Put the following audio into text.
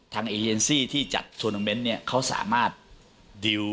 ทางอิเยนซี่ที่จัดทวนเมนต์เขาสามารถดีล